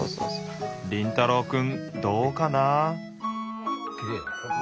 凛太郎くんどうかな？